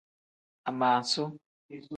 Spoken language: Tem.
Amaasuwa.